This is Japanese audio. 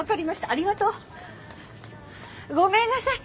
ありがとう。ごめんなさい。